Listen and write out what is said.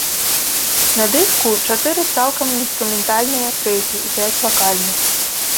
На дыску чатыры цалкам інструментальныя трэкі і пяць вакальных.